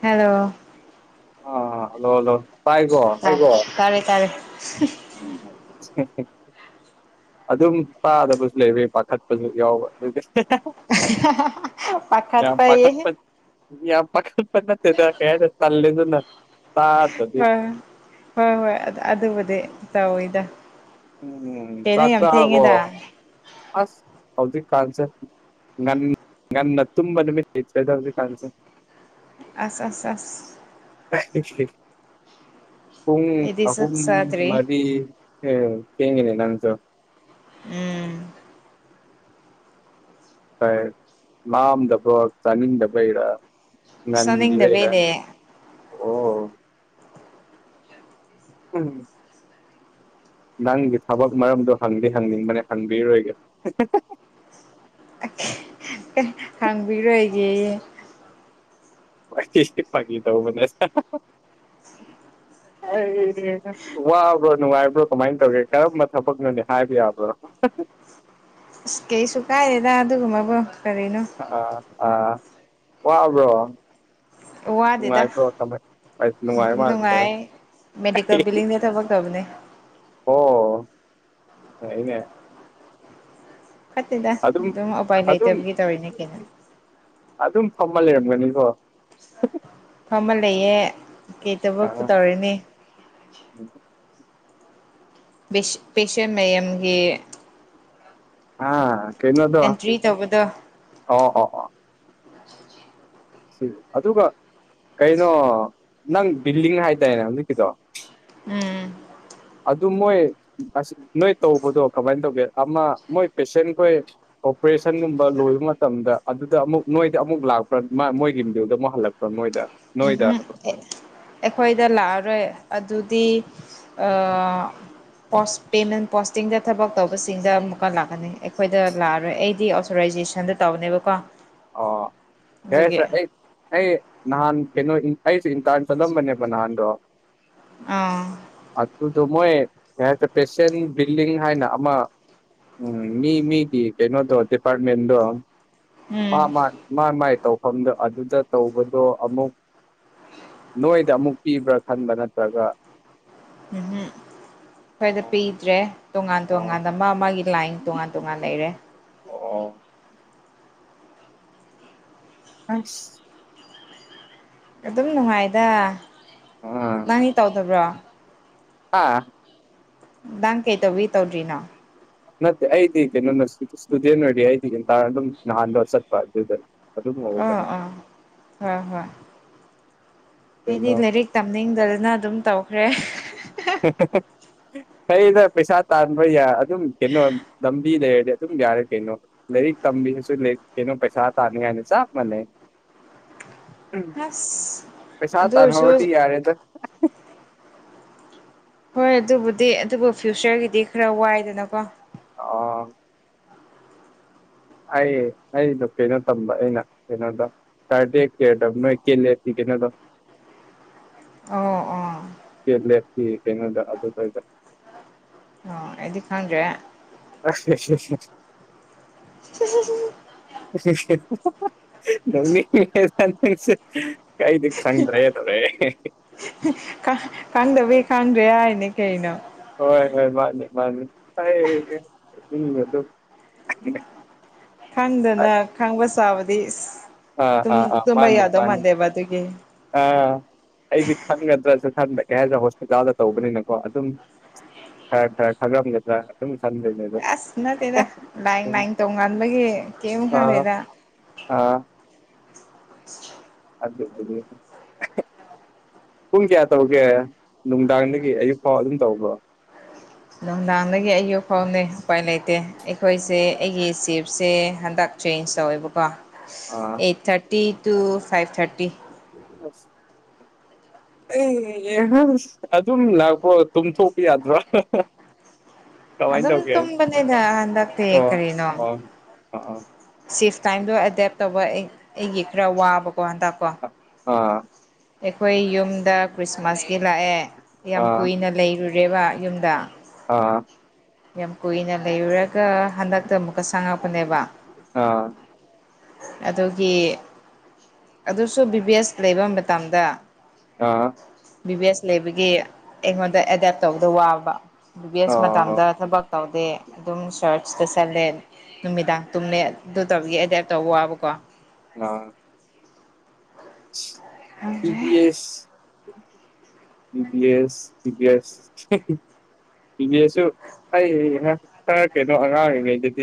Hello ꯑ hello hello ꯇꯥꯏ ꯀꯣ ꯇꯀꯣ ꯇꯥꯔꯦ ꯇꯥꯔꯦ ꯍꯝ [unintelligible] ꯑꯗꯨꯝ ꯇꯥꯗꯕꯁꯨ ꯂꯩꯔꯦ ꯄꯥꯈꯠꯄꯖꯨ ꯌꯥꯎꯕ ꯗꯨꯢꯒꯤ ꯍꯥꯍꯥꯍꯥꯍꯥ ꯄꯈꯠꯄ ꯌꯦ ꯌꯥꯝ ꯄꯈꯠꯄ ꯅꯠꯇꯦꯗ ꯀꯩꯍꯥꯗꯨꯢ ꯇꯜꯂꯤꯗꯅ ꯃꯥ ꯍꯣꯢ ꯍꯣꯢ ꯍꯣꯢ ꯑꯗ ꯑꯗꯨꯕꯨꯗꯤ ꯇꯧꯋꯤꯗ ꯎꯝ ꯀꯩꯅꯣ ꯆꯥꯛ ꯌꯥꯝ ꯆꯥꯑꯕꯣ ꯊꯦꯡꯉꯦꯗ ꯑꯁ ꯍꯧꯖꯤꯛꯀꯥꯟꯁꯦ ꯉꯟ ꯉꯟꯅ ꯇꯨꯝꯕ ꯅꯨꯃꯤꯀꯤ ꯀꯩꯗꯧꯏ ꯀꯥꯟꯁꯦ ꯑꯁ ꯑꯁ ꯑꯁ ꯄꯨꯡ ꯑꯩꯗꯤ ꯆꯥꯛ ꯑꯍꯨꯝ ꯆꯥꯗ꯭ꯔꯤ ꯃꯔꯤ ꯑꯩꯑꯧ ꯊꯦꯡꯉꯦꯅꯦ ꯅꯪꯖꯨ ꯎꯝ ꯑꯌꯦ ꯂꯥꯝꯗꯕ꯭ꯔꯣ ꯆꯥꯅꯤꯡꯗꯕꯩꯔ ꯉꯟꯒꯤꯕꯩꯔ ꯆꯥꯅꯤꯡꯗꯕꯩꯅꯦ ꯑꯣ ꯎꯝ ꯅꯪꯒꯤ ꯊꯕꯛ ꯃꯔꯝꯗꯣ ꯍꯪꯗꯤ ꯍꯪꯅꯤꯡꯕꯅꯦ ꯍꯪꯕꯤꯔꯣꯏꯒꯦ ꯑ ꯊꯤ ꯍꯥꯡꯕꯤꯔꯣꯏꯒꯦꯌꯦ ꯐꯒꯤ ꯇꯧꯕꯅꯦ [inaudible] ꯑꯩꯒꯤꯗꯤ ꯅꯪ ꯋꯥꯕ꯭ꯔꯣ ꯅꯨꯡꯉꯥꯏꯕ꯭ꯔꯣ ꯀꯃꯥꯏ ꯇꯧꯒꯦ ꯀꯔꯝꯕ ꯊꯕꯛꯅꯣꯅꯦ ꯍꯥꯏꯕ ꯌꯥꯕ꯭ꯔꯣ ꯑꯁ ꯀꯩꯁꯨ ꯀꯥꯏꯗꯦꯗ ꯑꯗꯨꯒꯨꯝꯕꯕꯨꯣ ꯀꯔꯤꯅꯣ ꯑꯥ ꯑꯥ ꯋꯥꯕ꯭ꯔꯣ? ꯋꯥꯗꯦꯗ ꯅꯨꯡꯉꯥꯏꯕ꯭ꯔꯣ ꯀꯃꯥꯏ ꯅꯨꯡꯉꯥꯏ [unintelligible] ꯃꯦꯗꯤꯀꯜ ꯕꯤꯂꯤꯡꯗ ꯊꯕꯛ ꯇꯧꯕꯅꯦ꯫ ꯑꯣ ꯐꯩꯅꯦ꯫ ꯐꯠꯇꯦꯗ ꯑꯗꯨꯝ ꯎꯄꯥꯏ ꯑꯗꯨꯝ ꯂꯩꯇꯕꯒꯤ ꯇꯧꯔꯤꯅꯦ ꯀꯩꯅꯣ ꯑꯗꯨꯝ ꯐꯝꯃ ꯂꯩꯔꯝꯒꯅꯤꯀꯣ ꯐꯝꯃ ꯂꯩꯌꯦ ꯀꯩꯇꯕꯛ ꯄꯨꯨ ꯑꯥ ꯇꯧꯔꯅꯤ ꯄꯦꯁ ꯄꯦꯁꯦꯟ ꯃꯌꯥꯝꯒꯤ ꯑꯥ ꯀꯩꯅꯣꯗꯣ ꯑꯣ ꯑꯦꯟꯇ꯭ꯔꯤ ꯇꯧꯕꯗꯣ ꯑꯣ ꯑꯣ ꯁꯤ ꯑꯗꯨꯒ ꯀꯩꯅꯣ ꯅꯪ ꯕꯤꯜꯂꯤꯡ ꯍꯥꯏꯗꯥꯏꯅꯦ ꯍꯧꯖꯤꯛꯀꯤꯗꯣ꯫ ꯎꯝ ꯑꯗꯨ ꯃꯣꯏ ꯑꯁꯤ ꯅꯣꯏ ꯇꯧꯕꯗꯣ ꯀꯃꯥꯏ ꯇꯧꯒꯦ ꯑꯃ ꯃꯣꯏ ꯄꯦꯁꯦꯟꯈꯣꯏ ꯑꯣꯄ꯭ꯔꯦꯁꯟꯒꯨꯝꯕ ꯂꯣꯏꯕ ꯃꯇꯝꯗ ꯑꯗꯨꯗ ꯑꯃꯨꯛ ꯅꯣꯏꯗ ꯑꯃꯨꯛ ꯂꯥꯛꯄ꯭ꯔ ꯃꯣꯏꯒꯤ [unintelligible] ꯑꯃꯨꯛ ꯍꯜꯂꯛꯄ ꯃꯣꯏꯗ ꯅꯣꯏꯗꯥ ꯍꯥꯏꯕ ꯑꯩꯈꯣꯏꯗ ꯂꯥꯛꯑꯔꯣꯏ ꯑꯗꯨꯗꯤ ꯑ ꯄꯣꯁ ꯄꯦꯃꯦꯟ ꯄꯣꯁꯇꯤꯡꯗ ꯊꯕꯛ ꯇꯧꯕꯁꯤꯡꯗ ꯑꯃꯨꯛꯀ ꯂꯥꯛꯀꯅꯤ ꯑꯩꯈꯣꯏꯗ ꯂꯥꯛꯑꯔꯣꯏ ꯑꯩꯗꯤ ꯑꯣꯊꯣꯔꯥꯏꯖꯦꯁꯟꯗ ꯇꯧꯅꯦꯕꯀꯣ꯫ ꯑꯗꯨꯒꯤ [unintelligible] ꯑꯩ ꯅꯍꯥꯟ ꯀꯩꯅꯣ ꯑꯩꯁꯦ ꯏꯟꯇꯥꯟ ꯆꯠꯂꯝꯕꯅꯦꯕ ꯅꯍꯥꯟꯗꯣ ꯑꯧ ꯑꯗꯨꯗꯣ ꯃꯣꯏ ꯀꯩ ꯍꯥꯏꯇꯥꯔꯦ ꯄꯦꯁꯦꯟ ꯕꯤꯜꯂꯤꯡ ꯍꯥꯏꯅ ꯑꯃ ꯎꯝ ꯃꯤ -ꯃꯤꯒꯤ ꯀꯩꯅꯣꯗꯣ ꯗꯤꯄꯥꯠꯃꯦꯟꯗꯣ ꯃꯥ ꯎꯝ ꯃꯥ ꯃꯥ ꯃꯥꯏ ꯇꯧꯐꯝꯗ ꯑꯗꯨꯗ ꯇꯧꯕꯗꯣ ꯑꯃꯨꯛ ꯅꯣꯏꯗ ꯑꯃꯨꯛ ꯄꯤꯕ꯭ꯔꯥ ꯈꯟꯕ ꯅꯠꯇ꯭ꯔꯒ ꯎꯝ-ꯍꯨꯝ ꯈꯣꯏꯗ ꯑꯣ ꯄꯤꯗ꯭ꯔꯦ ꯇꯣꯉꯥꯟ ꯑꯣ ꯇꯣꯉꯥꯟꯅ ꯃꯥ ꯃꯥꯒꯤ ꯀ꯭ꯂꯥꯏꯟ ꯇꯣꯉꯥꯟ ꯇꯣꯉꯥꯟ ꯂꯩꯔꯦ꯫ ꯑꯣ ꯑꯁ ꯑꯗꯨꯝ ꯅꯨꯡꯉꯥꯏꯗ ꯑꯥ ꯅꯪꯗꯤ ꯇꯧꯗꯕ꯭ꯔꯣ? ꯑꯥ ꯅꯪ ꯀꯩ ꯇꯧꯕꯩ ꯇꯧꯗ꯭ꯔꯤꯅꯣ? ꯅꯠꯇꯦ ꯑꯩꯗꯤ ꯀꯩꯅꯣꯅ ꯏꯁ ꯏꯁꯇꯨꯗꯦꯟꯠ ꯑꯣꯏꯔꯤ ꯑꯩꯗꯤ ꯏꯁꯇꯔꯟ ꯑꯗꯨꯝ ꯅꯍꯥꯟꯗꯣ ꯆꯠꯄ ꯑꯗꯨꯗ ꯑꯗꯨꯝ ꯑꯣ ꯍꯧꯕꯅꯦ ꯑꯣ ꯍꯣꯏ-ꯍꯣꯏ ꯑꯩꯗꯤ ꯀꯩꯅꯣ ꯂꯥꯏꯔꯤꯛ ꯇꯝꯅꯤꯡꯗꯗꯅ ꯑꯗꯨꯝ ꯇꯧꯈ꯭ꯔꯦ꯫ [unintelligible] ꯐꯩꯗ ꯄꯩꯁꯥ ꯇꯥꯟꯕ ꯌꯥ ꯑꯗꯨꯝ ꯀꯩꯅꯣ ꯂꯝꯕꯤ ꯂꯩꯔꯗꯤ ꯑꯗꯨꯝ ꯌꯥꯔꯦ ꯀꯩꯅꯣ꯫ ꯂꯥꯏꯔꯤꯛ ꯇꯝꯕꯤꯁꯨ ꯂꯩ ꯀꯩꯅꯣ ꯄꯩꯁꯥ ꯇꯥꯅꯤ ꯍꯥꯏꯅ ꯆꯞ ꯃꯟꯅꯩ ꯍꯁ ꯄꯩꯁꯥ ꯇꯥꯟꯍꯧꯔꯇꯤ ꯌꯥꯔꯦꯗ꯫ ꯍꯣꯏ ꯑꯗꯨꯕꯨꯗꯤ ꯑꯗꯨꯕꯨ ꯐ꯭ꯌꯨꯆꯔꯒꯤꯗꯤ ꯈꯔ ꯋꯥꯏꯗꯅꯀꯣ꯫ ꯑꯣ ꯑꯩ ꯑꯩꯗꯣ ꯀꯩꯅꯣ ꯇꯝꯕ ꯑꯩꯅ ꯀꯩꯅꯣꯗ [unintelligible] ꯀꯦꯅꯣꯗꯣ ꯑꯣ ꯑꯣ [unintelligible] ꯀꯩꯅꯣꯗ [unintelligible] ꯑꯣ ꯑꯩꯗꯤ ꯈꯪꯗ꯭ꯔꯦ꯫ [unintelligible] [unintelligible] [unintelligible] ꯅꯣꯛꯅꯤꯡꯉꯦꯗ ꯅꯪꯁꯦ ꯑꯩꯗꯤ ꯈꯪꯗ꯭ꯔꯦ ꯇꯧꯔꯛ ꯑꯦ ꯈꯪ ꯈꯪꯗꯕꯩ ꯈꯪꯗ꯭ꯔꯦ ꯍꯥꯏꯅꯦ ꯀꯩꯅꯣ꯫ ꯍꯣꯏ ꯍꯣꯏ ꯃꯥꯅꯤ ꯃꯥꯅꯤ [unintelligible] ꯈꯪꯗꯅ ꯈꯪꯕ ꯁꯥꯕꯗꯤ ꯏꯁ ꯑꯥ ꯇꯨꯝ ꯑꯥ ꯇꯨꯝꯕ ꯌꯥꯗꯧ ꯃꯥꯟꯗꯦꯕ ꯑꯗꯨꯒꯤ ꯑ ꯑꯩꯗꯤ ꯈꯪꯒꯗ꯭ꯔꯁꯨ ꯈꯟꯕ ꯀꯩ ꯍꯥꯏꯗ ꯍꯣꯁꯄꯤꯇꯥꯜꯗ ꯇꯧꯕꯅꯤꯅꯀꯣ ꯑꯗꯨꯝ ꯈ꯭ꯔ ꯈ꯭ꯔ ꯈꯪꯉꯝꯒꯗ꯭ꯔ ꯑꯗꯨꯝ ꯈꯟꯕꯩꯅꯦꯗꯣ ꯑꯁ ꯅꯠꯇꯦꯗ ꯂꯥꯏꯟ -ꯂꯥꯏꯟ ꯇꯣꯡꯉꯥꯟꯕꯒꯤ ꯀꯤꯝ ꯑꯥ ꯍꯪꯗꯦꯗ꯫ ꯑꯥ [inaudible] ꯄꯨꯡ ꯀꯌꯥ ꯇꯧꯒꯦ ꯅꯨꯡꯗꯥꯡꯗꯒꯤ ꯑꯌꯨꯛ ꯐꯥꯎ ꯑꯗꯨꯝ ꯇꯧꯕ꯭ꯔꯣ ꯅꯨꯡꯗꯥꯡꯗꯒꯤ ꯑꯌꯨꯛ ꯐꯧꯅꯦ ꯎꯄꯥꯏ ꯂꯩꯇꯦ ꯑꯩꯈꯣꯏꯁꯦ ꯑꯩꯒꯤ ꯆꯤꯞꯁꯦ ꯍꯟꯗꯛ ꯆꯦꯟꯖ ꯇꯧꯋꯦꯕꯀꯣ ꯑꯥ eight thirty to five thirty ꯑꯁ ꯑꯩ ꯌꯦ [unintelligible] ꯑꯗꯨꯝ ꯂꯥꯛꯄꯒ ꯇꯨꯝꯊꯣꯛꯄꯤ ꯌꯥꯗ꯭ꯔꯣ [unintelligible] ꯀꯃꯥꯏꯅ ꯑꯗꯨꯝ ꯇꯧꯒꯦ ꯇꯨꯝꯕꯅꯤꯗ ꯍꯟꯗꯛꯇꯤ ꯑꯣ ꯀꯔꯤꯅꯣ ꯑꯣ ꯑ ꯑ ꯑ ꯁꯤꯐ ꯇꯥꯏꯝꯗꯣ ꯑꯦꯗꯦꯞ ꯇꯧꯕ ꯑꯩ ꯑꯩꯒꯤ ꯈꯔ ꯋꯥꯕꯀꯣ ꯍꯟꯇꯛꯀꯣ ꯑ ꯑꯩꯈꯣꯏ ꯌꯨꯝꯗ ꯈ꯭ꯔꯤꯁꯃꯥꯁꯀꯤ ꯂꯥꯛꯑꯦ ꯌꯥꯝ ꯑ ꯀꯨꯏꯅ ꯂꯩꯔꯨꯔꯦꯕ ꯌꯨꯝꯗ ꯑꯥ ꯑ ꯌꯥꯝ ꯀꯨꯏꯅ ꯂꯩꯔꯨꯔꯒ ꯍꯟꯗꯛꯇ ꯑꯃꯨꯛꯀ ꯆꯪꯉꯛꯄꯅꯦꯕ ꯑ ꯑꯗꯨꯒꯤ ꯑꯗꯨꯁꯨ ꯕꯤ ꯕꯤ ꯑꯦꯁ ꯂꯩꯕ ꯃꯇꯝꯗ ꯑꯥ ꯕꯤ ꯕꯤ ꯑꯦꯁ ꯂꯩꯕꯒꯤ ꯑꯩꯉꯣꯟꯗ ꯑꯦꯗꯦꯞ ꯇꯧꯕ ꯋꯥꯕ ꯕꯤ ꯕꯤ ꯑꯦꯁ ꯑ ꯃꯇꯝꯗ ꯊꯕꯛ ꯇꯧꯗꯦ ꯑꯗꯨꯝ ꯁꯔꯠꯆꯇ ꯆꯠꯂꯦ ꯅꯨꯃꯤꯗꯥ ꯇꯨꯝꯃꯦ ꯑꯗꯨ ꯇꯧꯒꯤ ꯑꯦꯗꯦꯞ ꯇꯧꯕ ꯋꯥꯕꯀꯣ ꯉꯥ [unintelligible] yes [unintelligible] B B S B B S [unintelligible] B B ꯑꯦꯁꯁꯨ ꯑꯩ ꯍꯥ ꯈꯔ ꯀꯩꯅꯣ ꯑꯉꯥꯡ ꯑꯣꯏꯔꯤꯉꯩꯗꯗꯤ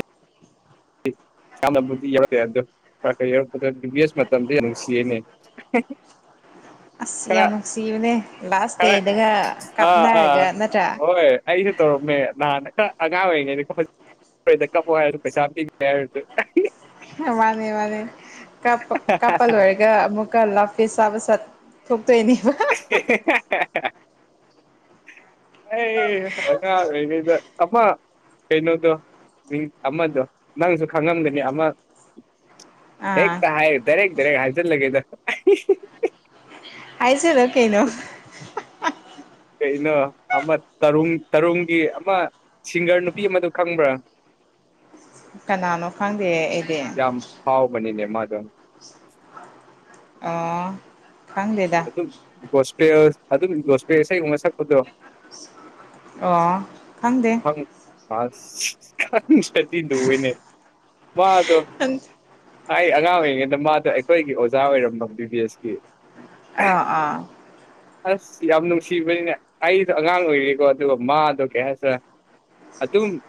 ꯆꯥꯝꯅꯕꯨꯗꯤ ꯌꯥꯎꯔꯦ ꯑꯗꯣ ꯈꯔ ꯈꯔ ꯌꯧꯔꯛꯄꯗ ꯕꯤ ꯕꯤ ꯑꯦꯁ ꯃꯇꯝꯗꯤ ꯌꯥꯝ ꯅꯨꯡꯁꯤꯍꯦꯅꯦ [unintelligible] ꯑꯁ ꯌꯥꯝ ꯅꯨꯡꯁꯤꯕꯅꯦ ꯂꯥꯁ ꯈꯔ ꯇꯦꯗꯒ ꯑꯥ ꯑꯥ ꯀꯥꯞꯅꯔꯒ ꯅꯠꯇ꯭ꯔꯥ ꯍꯣꯏ ꯑꯩꯁꯨ ꯇꯧꯔꯝꯃꯦ ꯅꯍꯥꯟ ꯈ ꯑꯉꯥꯡ ꯑꯣꯏꯔꯤꯉꯩꯗ [unintelligible] ꯀꯞꯄꯣ ꯍꯥꯏꯔꯁꯨ ꯄꯩꯁꯥ ꯄꯤꯒꯦ ꯍꯥꯏꯔꯁꯨ [unintelligible] ꯃꯥꯅꯦ ꯃꯥꯅꯦ ꯀꯞꯄ ꯀꯞꯄ ꯂꯣꯏ ꯒꯥ ꯑꯃꯨꯛꯀ ꯂꯞꯐꯦꯁ ꯆꯥꯕ ꯆꯠ ꯊꯣꯛꯇꯣꯏꯅꯦꯕ [unintelligible] ꯑꯩ ꯑꯉꯥꯡ ꯑꯣꯏꯔꯤꯉꯩꯗ ꯑꯃ ꯀꯩꯅꯣꯗꯣ ꯃꯤꯡ ꯑꯃꯗꯣ ꯅꯪꯁꯨ ꯈꯪꯉꯝꯒꯅꯤ ꯑꯃ ꯑꯥ ꯍꯦꯛꯇ ꯍꯥꯏ ꯗꯥꯏꯔꯦꯛ ꯗꯥꯏꯔꯦꯛ ꯍꯥꯏꯖꯜꯂꯒꯦꯗ [unintelligible] ꯍꯥꯏꯖꯤꯜꯂꯨ ꯀꯩꯅꯣ [inaudible] ꯀꯩꯅꯣ ꯑꯃ ꯇꯔꯨꯡ ꯇꯔꯨꯡꯒꯤ ꯑꯃ ꯁꯤꯡꯒꯔ ꯅꯨꯄꯤ ꯑꯃꯗꯨ ꯈꯪꯕ꯭ꯔꯥ ꯀꯅꯥꯅꯣ ꯈꯪꯗꯦ ꯑꯩꯗꯤ ꯌꯥꯝ ꯐꯥꯎꯕꯅꯤꯅꯦ ꯃꯥꯗꯣ ꯑꯣ ꯈꯪꯗꯦꯗ ꯒꯣꯁꯄꯦꯌ꯭ꯔ ꯑꯗꯨꯝ ꯒꯣꯁꯄꯦ ꯏꯁꯩꯒꯨꯕ ꯁꯛꯄꯗꯣ ꯑꯣ ꯈꯪꯗꯦ꯫ ꯈꯪ ꯑꯁ ꯈꯪꯗ꯭ꯔꯗꯤ ꯂꯨꯏꯌꯦꯅꯦ ꯃꯥꯗꯣ ꯑꯩ ꯑꯉꯥꯡ ꯑꯣꯏꯔꯤꯉꯩꯗ ꯃꯥꯗ ꯑꯩꯈꯣꯏꯒꯤ ꯑꯣꯖꯥ ꯑꯣꯏꯔꯝꯕ ꯕꯤ ꯕꯤ ꯑꯦꯁꯀꯤ ꯑꯥ ꯑꯥ ꯑꯁ ꯌꯥꯝ ꯅꯨꯡꯁꯤꯕꯅꯤꯅꯦ ꯑꯩꯗꯣ ꯑꯉꯥꯡ ꯑꯣꯏꯔꯤꯀꯣ ꯑꯗꯨꯒ ꯃꯥꯗꯣ ꯀꯩ ꯍꯥꯏꯁꯦꯔ ꯑꯗꯨꯝ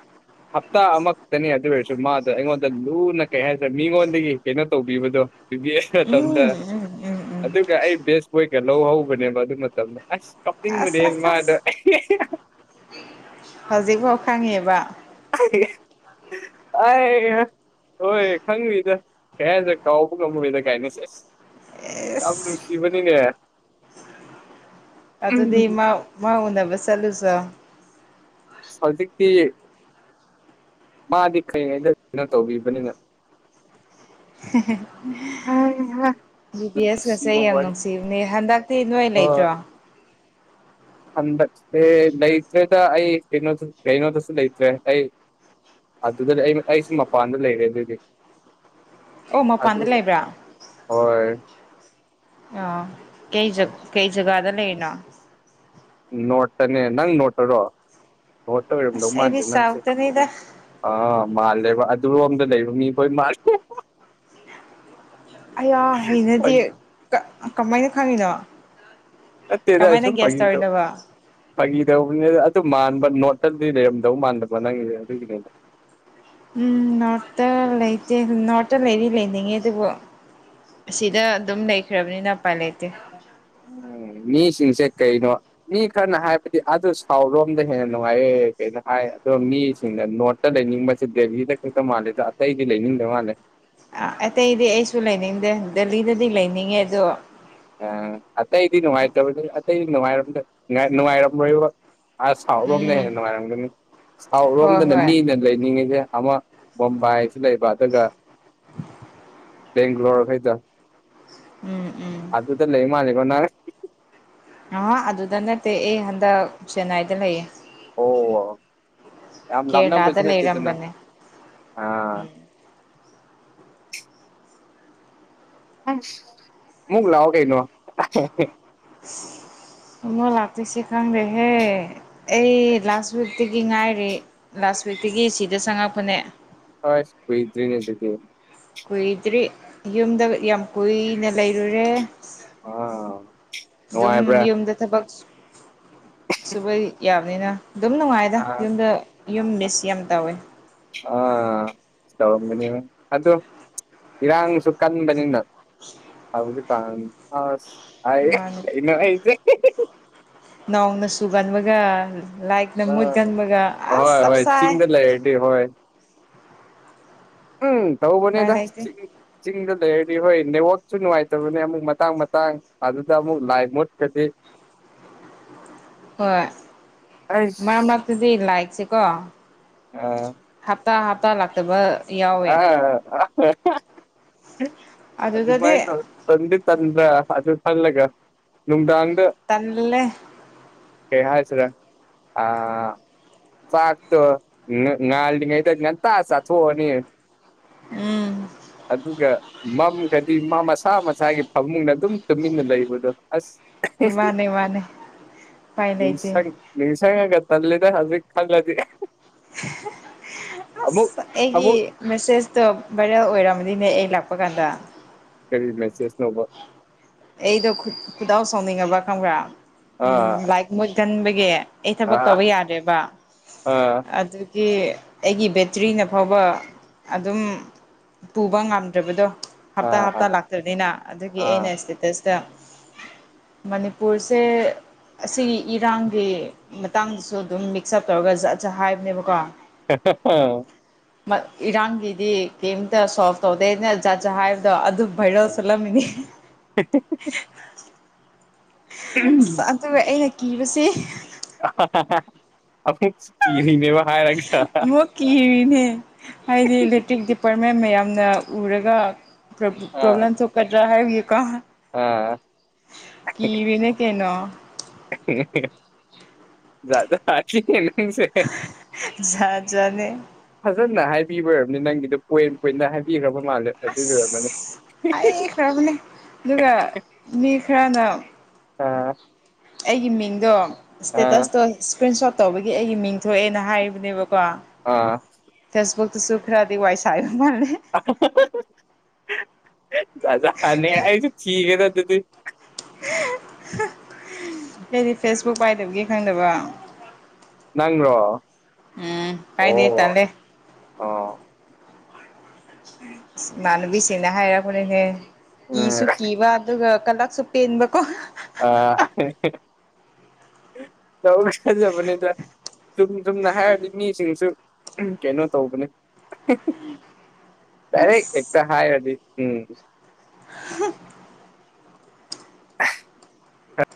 ꯍꯞꯇꯥ ꯑꯃ ꯇꯅꯦ ꯑꯗꯨ ꯑꯣꯏꯔꯁꯨ ꯃꯥꯗꯣ ꯑꯩꯉꯣꯟꯗ ꯂꯨꯅ ꯀꯩ ꯍꯥꯏꯇꯥꯔꯦ ꯃꯤꯉꯣꯟꯗꯒꯤ ꯀꯩꯅꯣ ꯇꯧꯕꯤꯕꯗꯣ꯫ ꯕꯤ ꯕꯤ ꯑꯦꯁ ꯃꯇꯝꯗ ꯎꯝ ꯎꯝ ꯎꯝ ꯎꯝ ꯑꯗꯨꯒ ꯑꯩ ꯕꯦꯁ ꯕꯣꯏꯒ ꯂꯧꯍꯧꯕꯅꯦꯕ ꯑꯗꯨ ꯃꯇꯝꯗ ꯑꯁ ꯀꯥꯞ ꯑꯁ ꯑꯁ ꯑꯁ ꯍꯧꯖꯤꯛꯐꯥꯎ ꯈꯪꯉꯤꯕ꯫ ꯑꯩ ꯍꯥ ꯍꯣꯏ ꯈꯪꯉꯤꯗ ꯀꯩꯍꯥꯏꯗ ꯀꯥꯎꯕ ꯉꯝꯃꯣꯏꯗ ꯀꯥꯏꯅ ꯁꯦꯁ ꯌꯥꯝ ꯑꯦꯁ ꯅꯨꯡꯁꯤꯕꯅꯤꯅꯦ ꯑꯗꯨꯗꯤ ꯃꯥ ꯃꯥ ꯎꯅꯕ ꯆꯠꯂꯨꯆꫭ ꯍꯧꯖꯤꯛꯇꯤ ꯃꯥꯗꯤ ꯀꯩꯉꯩꯗꯩꯅꯣ ꯇꯧꯕꯤꯕꯅꯤꯅ [inaudible] ꯕꯤ ꯕꯤ ꯑꯦꯁ ꯀꯁꯦ ꯅꯨꯡꯁꯤꯕ ꯑꯩ ꯌꯥꯝ ꯋꯥꯔꯤ ꯅꯨꯡꯁꯤꯕꯅꯦ ꯍꯟꯗꯛꯇꯤ ꯅꯣꯏ ꯑꯣ ꯂꯩꯇ꯭ꯔꯣ꯫ ꯍꯟꯗꯛꯁꯦ ꯂꯩꯇ꯭ꯔꯦꯗ ꯑꯩ ꯀꯩꯅꯣꯗꯁꯨ ꯀꯩꯅꯣꯗꯁꯨ ꯂꯩꯇ꯭ꯔꯦ ꯑꯩ ꯑꯗꯨꯗꯗꯤ ꯑꯩ ꯑꯩꯁꯨ ꯃꯄꯥꯟꯗ ꯂꯩꯔꯦ ꯑꯗꯨꯗꯤ ꯑꯣ ꯃꯄꯥꯟꯗ ꯂꯩꯕ꯭ꯔꯥ꯫ ꯍꯣꯏ ꯑꫭ ꯀꯩ ꯖ ꯀꯩ ꯖꯒꯥꯗ ꯂꯩꯔꯤꯅꫭ ꯅꯣꯠꯇꯅꯦ ꯅꯪ ꯅꯣꯠꯇꯔꯣ ꯅꯣꯠꯇ ꯑꯣꯏꯔꯝꯗꯧ ꯑꯁ ꯃꯥꯟꯗꯦ ꯑꯩꯗꯤ ꯅꯪꯁꯦ꯫ ꯁꯥꯎꯠꯇꯅꯤꯗ ꯑꯥ ꯃꯥꯜꯂꯦꯕ ꯑꯗꯨꯔꯣꯝꯗ ꯂꯩꯔꯨ ꯃꯤꯈꫭꯏ ꯃꯥꯜ ꯑꯌꯥ ꯍꯩꯅꯗꯦ ꯐꯥꯒꯤ ꯀ ꯀꯃꯥꯏꯅ ꯈꯪꯉꯤꯅꯣ ꯅꯠꯇꯦꯗ ꯀꯃꯥꯏꯅ ꯁꯨꯝ ꯒ꯭ꯌꯥꯁ ꯐꯥꯒꯤ ꯇꯧ ꯇꯧꯔꯤꯅꯣꯕ ꯐꯥꯒꯤ ꯇꯧꯕꯅꯦꯗ ꯑꯗꯨ ꯃꯥꯟꯕ ꯅꯣꯔꯠꯇꯗꯤ ꯂꯩꯔꯝꯗꯧ ꯃꯥꯟꯗꯕ ꯅꯪꯒꯤ ꯑꯗꯨꯒꯤ ꯀꯩ [unintelligible] ꯎꯝ ꯅꯣꯔꯠꯇ ꯂꯩꯇꯦ ꯅꯣꯔꯠꯇ ꯂꯩꯗꯤ ꯂꯩꯅꯤꯡꯉꯦ ꯑꯗꯨꯕꯨ ꯑꯁꯤꯗ ꯑꯗꯨꯝ ꯂꯩꯈ꯭ꯔꯕꯅꯤꯅ ꯑꯄꯥꯏ ꯂꯩꯇꯦ꯫ ꯎꯝ ꯃꯤꯁꯤꯡꯁꯦ ꯀꯩꯅꯣ ꯃꯤ ꯈꯔꯅ ꯍꯥꯏꯕꯗꯤ ꯑꯗꯨ ꯁꯥꯎꯠ ꯔꯣꯝꯗ ꯍꯦꯟꯅ ꯅꯨꯡꯉꯥꯏꯌꯦ ꯀꯩꯅꯣ ꯍꯥꯏ ꯑꯗꫭ ꯃꯤꯁꯤꯡꯅ ꯅꯣꯔꯠ ꯇꯥ ꯂꯩꯅꯤꯡꯕꯁꯦ ꯗꯦꯜꯂꯤꯗ ꯈꯛꯇ ꯃꯥꯜꯂꯦꯗ ꯑꯇꯩꯗꯤ ꯂꯩꯅꯤꯡꯗ ꯃꯥꯜꯂꯦ꯫ ꯑ ꯑꯇꯩꯗꯤ ꯑꯩꯁꯨ ꯂꯩꯅꯤꯡꯗꯦ ꯗꯦꯜꯂꯤꯗꯗꯤ ꯂꯩꯅꯤꯡꯉꯦ ꯑꯗꯣ ꯑ ꯑꯇꯩꯗꯤ ꯅꯨꯡꯉꯥꯏꯇꯕꯅꯤ ꯑꯇꯩꯗꯤ ꯅꯨꯡꯉꯥꯏ [unintelligible] ꯅꯨꯡꯉꯥꯏꯔꯝꯂꯣꯏꯕ ꯑꯁ ꯁꯥꯎꯠꯔꯣꯝꯅ ꯎꯝ ꯍꯦꯟꯅ ꯅꯨꯡꯉꯥꯏꯔꯝꯒꯅꯤ ꯍꯣꯏ ꯁꯥꯎꯠꯔꫭꯝꯗꯅ ꯍꯣꯏ ꯃꯤꯅ ꯂꯩꯅꯤꯡꯉꯤꯁꯦ ꯑꯃ ꯕꫭꯝꯕꯥꯏꯁꯨ ꯂꯩꯕ ꯑꯗꯨꯒ ꯕꯦꯡꯂꯣꯔ ꯈꯩꯗꫭ ꯎꯝ ꯎꯝ ꯑꯗꯨꯗ ꯂꯩ ꯃꯥꯜꯂꯦꯀꯣꯅꯪ ꯑ ꯑꯗꯨꯗ ꯅꯠꯇꯦ ꯑꯩ ꯍꯟꯗꯛ ꯆꯦꯟꯅꯥꯏꯗ ꯂꯩꯌꯦ ꯑꯣ ꯌꯥꯝ ꯀꯦꯔꯂꯥꯗ ꯂꯥꯞꯅꯕꯗꯤ ꯅꯠꯇꯦꯗꯅ ꯂꯩꯔꯝꯕꯅꯦ ꯑꯥ ꯑꯃꯨꯛ ꯂꯥꯛꯑꯣ ꯀꯩꯅꯣ ꯣ ꯂꯥꯛꯇꯨꯏꯁꯦ ꯈꯪꯗꯦ ꯍꯦ ꯑꯩ ꯂꯥꯁ ꯋꯤꯛꯇꯤ ꯒꯤ ꯉꯥꯏꯔꯤ ꯂꯥꯁ ꯋꯤꯛꯇꯒꯤ ꯁꯤꯗ ꯆꯪꯉꯛꯄꯅꯦ ꯍꯣꯏ ꯀꯣꯏꯇ꯭ꯔꯤ ꯅꯦ ꯑꯗꯨꯗꯤ ꯀꯨꯏꯗ꯭ꯔꯤ ꯌꯨꯝꯗꯒ ꯌꯥꯝ ꯀꯨꯏꯅ ꯂꯩꯔꯨꯔꯦ ꯑꯥ ꯑꯗꯨꯝ ꯅꯨꯡꯉꯥꯏꯕ꯭ꯔꯥ ꯌꯨꯝꯗ ꯊꯕꯛꯁꯨ ꯁꯨꯕ ꯌꯥꯕꯅꯤꯅ ꯑꯗꯨꯝ ꯅꯨꯡꯉꯥꯏꯗ ꯑꯥ ꯌꯨꯝꯗ ꯌꯨꯝ ꯃꯤꯁ ꯌꯥꯝ ꯇꯧꯋꯦ ꯑ ꯇꯧꯔꯝꯒꯅꯤ ꯑꯗꯨ ꯏꯔꯥꯡꯁꯨ ꯀꯟꯕꯅꯤꯅ ꯍꯧꯖꯤꯛ ꯀꯥꯟ ꯑꯁ ꯏꯃꯥꯅ [unintelligible] ꯅꯣꯡꯅ ꯆꯨꯒꯟꯕꯒ ꯂꯥꯏꯠꯅ ꯑꯥ ꯃꯨꯠꯀꯟꯕꯒ ꯑꯁ ꯍꯣꯏ ꯆꯞ ꯍꯣꯏ ꯆꯥꯏ ꯆꯤꯡꯗ ꯂꯩꯔꯗꯤ ꯍꯣꯏ ꯎꯝ ꯎꯄꯥꯏ ꯇꯧꯕꯅꯦꯗ ꯂꯩꯇꯦ [unintelligible] ꯆꯤꯡꯗ ꯂꯩꯔꯗꯤ ꯍꯣꯏ ꯅꯦꯠꯋꯥꯛꯁꯨ ꯅꯨꯡꯉꯥꯏꯇꯕꯅꯦ ꯑꯃꯨꯛ ꯃꯇꯥꯡ ꯃꯇꯥꯡ ꯑꯗꯨꯗ ꯑꯃꯨꯛ ꯂꯥꯏ ꯃꯨꯠꯀꯗꯤ ꯍꯣꯏ ꯑꯩꯁ ꯃꯔ ꯃꯔꯛꯇꯗꯤ ꯂꯥꯏꯛꯁꯤꯀꯣ ꯑꯥ ꯍꯞꯇꯥ ꯍꯞꯇꯥ ꯂꯥꯛꯇꯕ ꯑ ꯌꯥꯎꯋꯦ [unintelligible] ꯑꯗꯨ ꯃꯥꯏ ꯑꯗꯨꯗꯗꯤ ꯇꯧꯔꯣ ꯇꯟꯗꯤ ꯇꯟꯗꯔ ꯑꯗꯨ ꯈꯜꯂꯒ ꯅꯨꯡꯗꯥꯡꯗ ꯇꯜꯂꯦ ꯀꯩ ꯍꯥꯏꯁꯤꯔ ꯑꯥ ꯆꯥꯛꯇꯣ ꯉꯥ ꯉꯥꯜꯂꯤꯉꯩꯗ ꯉꯥꯟꯇ ꯆꯥꯊꯥꯛꯑꯅꯤ ꯎꯝ ꯑꯗꯨꯒ ꯃꯝꯒꯗꯤ ꯃꯥ ꯃꯁꯥ ꯃꯁꯥꯒꯤ ꯐꯃꯨꯡꯗ ꯑꯗꯨꯝ ꯇꯨꯃꯤꯟꯅ ꯂꯩꯕꯗꯣ ꯑꯁ ꯃꯥꯅꯦ ꯃꯥꯅꯦ ꯄꯥꯏ ꯂꯩꯆꯦ ꯅꯤꯡꯁꯉꯒ ꯇꯂꯦꯗ ꯍꯧꯖꯤꯛ ꯈꯜꯂꯗꯤ [unintelligible] ꯑꯃꯨꯛ ꯑꯁ ꯑꯩꯒꯤ ꯑꯃꯨꯛ ꯃꯦꯁꯦꯁꯇꯣ ꯚꯥꯏꯔꯦꯜ ꯑꯣꯏꯔꯝꯃꯅꯤꯅꯦ ꯑꯩ ꯂꯥꯛꯄ ꯀꯥꯟꯗ ꯀꯔꯤ ꯃꯦꯁꯦꯖ ꯅꯣꯕ ꯑꯩꯗꯣꯠ ꯈꯨꯗꯥꯥꯎ ꯁꯥꯎꯅꯤꯡꯉꯕ꯭ ꯈꯪꯕ꯭ꯔꯥ ꯎꯝ ꯑꯥ ꯂꯥꯏꯛ ꯃꯨꯠ ꯀꯟꯕꯒꯤ ꯑꯩ ꯊꯕꯛ ꯑꯥ ꯇꯧꯕ ꯌꯥꯗ꯭ꯔꯦꯕ ꯑꯥ ꯑꯗꯨ ꯀ ꯑꯩꯒꯤ ꯕꯦꯇ꯭ꯔꯤꯅ ꯐꯥꯎꯕ ꯑꯗꯨꯝ ꯄꯨꯕ ꯉꯝꯗ꯭ꯔꯕꯗꯣ ꯍꯞꯇꯥ ꯑꯥ ꯍꯞꯇꯥ ꯑꯥ ꯂꯥꯛꯇꯕꯅꯤꯅ ꯑꯗꯨꯒꯤ ꯑꯥ ꯑꯩꯅ ꯏꯁꯇꯦꯇꯁ ꯇ ꯃꯅꯤꯄꯨꯔꯁꯦ ꯑꯁꯤꯒꯤ ꯏꯔꯥꯡꯒꯤ ꯃꯇꯥꯡꯗꯁꯨ ꯑꯗꯨꯝ ꯃꯤꯛꯁ ꯑꯞ ꯇꯧꯔꯒꯖꯠꯖꯠ ꯍꯥꯏꯕꯅꯦꯕꯀꯣ [unintelligible] ꯏꯔꯥꯡꯒꯤꯗꯤ ꯀꯔꯤꯝꯇ ꯁꯣꯜꯕ ꯇꯧꯗꯦꯅ ꯖꯥꯠ ꯖꯥꯠ ꯍꯥꯏꯕꯗꯣ ꯑꯗꯨ ꯚꯥꯏꯔꯦꯜ ꯆꯠꯂꯝꯃꯤꯅꯤ [unintelligible] ꯑꯁ ꯑꯗꯨꯒ ꯑꯩꯅ ꯀꯤꯕꯁꯤ ꯨ [unintelligible] ꯑꯃꯨꯛ ꯀꯤꯔꯤ ꯅꯦꯕ ꯑꯃꯨꯛ ꯀꯤꯔꯤꯅꯦ ꯍꯥꯏꯗꯤ [inaudible] ꯗꯤꯄꯥꯔꯠꯃꯦꯟ ꯃꯌꯥꯝꯅ ꯎꯔꯒ ꯄ꯭ꯔꯣ ꯑꯥ ꯄ꯭ꯔꯣꯕ꯭ꯂꯦꯝ ꯊꯣꯛꯀꯗ꯭ꯔꯥ ꯍꯥꯏꯕꯒꯤꯀꯣ ꯑꯥ ꯀꯤꯔꯤꯅꯦ ꯀꯩꯅꯣ [unintelligible] ꯍꯤꯡꯁꯨꯍꯦ ꯖꯥꯠ ꯖꯥꯠꯅꯦ ꯐꯖꯅ ꯍꯥꯏꯕꯤꯕ ꯑꯣꯏꯔꯝꯅꯤ ꯅꯪꯒꯤꯗꯣ ꯄꯣꯏꯟ ꯄꯣꯏꯟꯗ ꯍꯥꯏꯕꯤꯈ꯭ꯔꯕ ꯃꯥꯜꯂꯦ ꯑꯗꯨꯒꯤ ꯑꯣꯏꯔꯝꯃꯅꯤ ꯑꯁ ꯍꯩꯈ꯭ꯔꯕꯅꯦ ꯑꯗꯨꯒ ꯃꯤ ꯈꯔꯅ ꯑꯥ ꯑꯩꯒꯤ ꯃꯤꯡꯗꯣ ꯑꯥ ꯏꯁꯇꯦꯇꯁꯇꯣ ꯏꯁꯀ꯭ꯔꯤꯟ ꯁꯣꯠ ꯇꯧꯕꯒꯤ ꯑꯩꯒꯤ ꯃꯤꯡ ꯊꯣꯛꯑꯦꯅ ꯍꯥꯏꯕꯅꯦꯕꯀꯣ ꯑꯥ ꯐꯦꯁꯕꯨꯛꯇꯁꯨ ꯈꯔꯗꯤ ꯋꯥꯏ ꯁꯥꯥꯏꯕ ꯃꯥꯜꯂꯦ ꯗꯁꯥꯅꯦ ꯑꯩꯁꯨ ꯊꯤꯒꯦꯗ ꯑꯗꯨꯗꯤ ꯑꯩꯗꯤ ꯐꯦꯁꯕꯨꯛ ꯄꯥꯏꯗꯕꯒꯤ ꯈꯪꯗꯕ ꯅꯪꯔꯣ ꯎꯝ ꯄꯥꯏꯗꯦ ꯑꯣ ꯇꯜꯂꯦ ꯑꯣ ꯏꯃꯥꯟꯅꯕꯤꯁꯤꯡꯅ ꯍꯥꯏꯔꯛꯄꯅꯤꯅꯦ ꯀꯤꯁꯨ ꯎꯝ ꯀꯤꯕ ꯑꯗꯨꯒ ꯀꯂꯛꯁꯨ ꯄꯦꯟꯕꯀꯣ ꯑꯥ ꯇꯧ [unintelligible] ꯆꯨꯝ ꯆꯨꯝꯅ ꯍꯥꯏꯔꯗꯤ ꯃꯤꯁꯤꯡꯁꯨ ꯀꯩꯅꯣ ꯇꯧꯕꯅꯦ ꯗꯥꯏꯔꯦꯛ ꯑꯁ ꯍꯦꯛꯇ ꯍꯥꯏꯔꯗꯤ ꯎꯝ [unintelligible] [unintelligible]